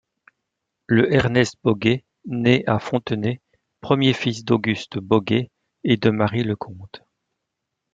Le Ernest Boguet naît à Fontenay, premier fils d’Auguste Boguet et de Marie Lecomte.